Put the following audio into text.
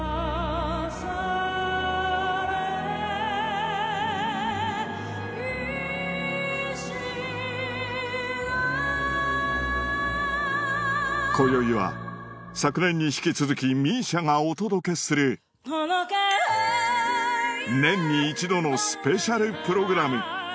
さざれ石の今宵は昨年に引き続きＭＩＳＩＡがお届けする年に１度のスペシャルプログラム